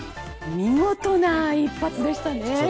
見事な一発でしたね。